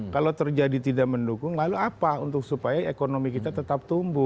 kalau terjadi tidak mendukung lalu apa supaya ekonomi kita tetap tumbuh